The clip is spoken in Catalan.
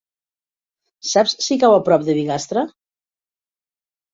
Saps si cau a prop de Bigastre?